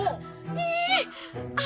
tunggu dulu atu angga